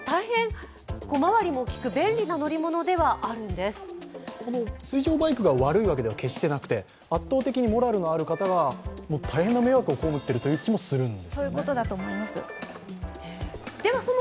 決して水上バイクが悪いわけではなくて、圧倒的にモラルのある方が大変な迷惑を被っているという気がするんです。